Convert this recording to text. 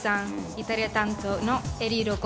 イタリア担当のエリーロココです。